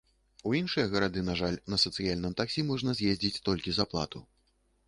У іншыя гарады, на жаль, на сацыяльным таксі можна з'ездзіць толькі за плату.